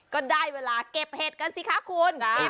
ก็ได้เวลาเก็บเห็ดกันสิคะคุณ